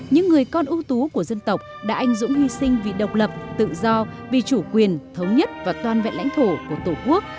những người con ưu tú của dân tộc đã anh dũng hy sinh vì độc lập tự do vì chủ quyền thống nhất và toàn vẹn lãnh thổ của tổ quốc